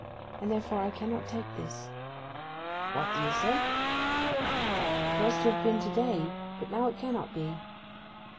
And, therefore, I cannot take this.' 'What do you say?' 'It was to have been to day; but now it cannot be.